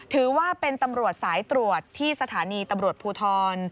ถือว่าเป็นตำรวจสายตรวจที่สถานีตำรวจภูทร